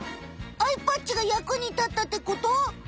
アイパッチが役に立ったってこと？